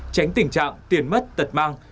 tránh tình trạng tiền mất tật mang